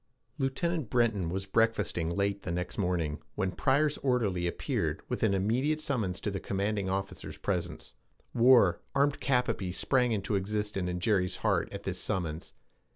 Lieutenant Breton was breakfasting late the next morning, when Pryor's orderly appeared with an immediate summons to the commanding officer's presence. War, armed cap à pie, sprang into existence in Jerry's heart at this summons.